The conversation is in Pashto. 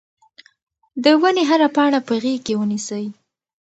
د ونې هره پاڼه په غېږ کې ونیسئ.